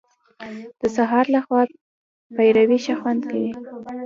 د سهار له خوا پېروی ښه خوند کوي .